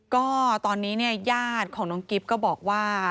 ก็ตอนนี้เนี่ยญาติของน้องกิ๊บก็บอกว่า